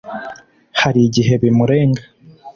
hari gihe bimurenga